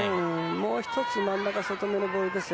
もう１つ真ん中外めのボールですよ。